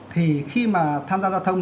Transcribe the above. thì khi mà tham gia giao thông